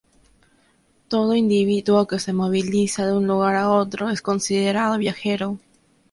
Todo individuo que se moviliza de un lugar a otro es considerado viajero.